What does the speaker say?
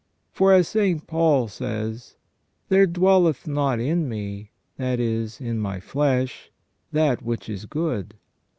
For, as St. Paul says :" There dwelleth not in me, that is in my flesh, that which is good.